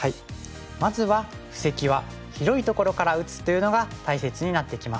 まずは布石は広いところから打つというのが大切になってきます。